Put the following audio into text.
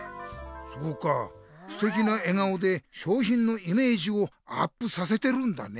そうかすてきな笑顔でしょうひんのイメージをアップさせてるんだね。